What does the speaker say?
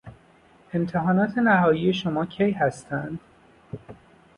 امتحانات نهایی شما کی هستند؟